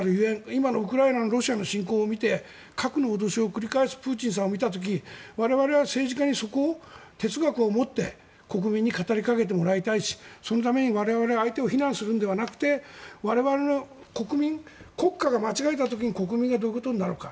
今のウクライナのロシアの侵攻を見て核の脅しを繰り替えすプーチンさんを見た時我々は政治家にそこを哲学を持って国民に語りかけてもらいたいしそのためには我々は相手を非難するのではなくて我々の国民国家が間違えた時に国民がどういうことになるのか。